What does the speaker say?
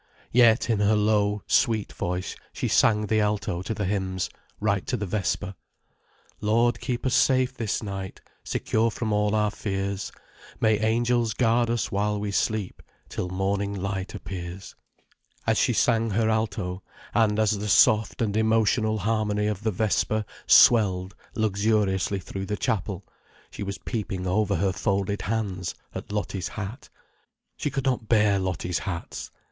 Yet in her low, sweet voice she sang the alto to the hymns, right to the vesper: "Lord keep us safe this night Secure from all our fears, May angels guard us while we sleep Till morning light appears—" As she sang her alto, and as the soft and emotional harmony of the vesper swelled luxuriously through the chapel, she was peeping over her folded hands at Lottie's hat. She could not bear Lottie's hats.